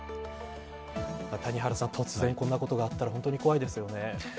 谷原さん、突然こんなことがあったら本当に怖いですね。